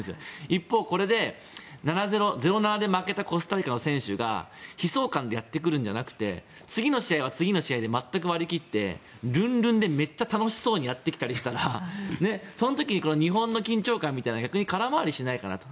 一方、これで０ー７で負けたコスタリカの選手が悲壮感でやってくるんじゃなくて次の試合は次の試合でまったく割り切ってるんるんで、めっちゃ楽しそうにやってきたりしたらその時に日本の緊張感みたいなのが逆に空回りしないかなと。